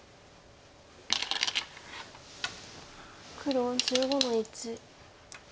黒１５の一。